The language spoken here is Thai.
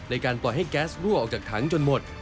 ในการปล่อยให้แก๊สรั่วออกจากถังจนหมด